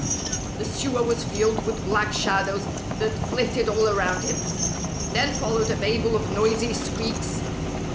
The sewer was filled with black shadows that flitted all around him. Then followed a babel of noisy squeaks.